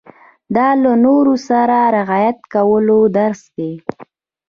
دا له نورو سره د رعايت کولو درس دی.